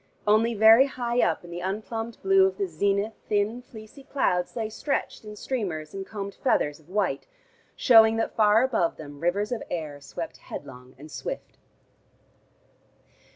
Only, very high up in the unplumbed blue of the zenith thin fleecy clouds lay stretched in streamers and combed feathers of white, showing that far above them rivers of air swept headlong and swift.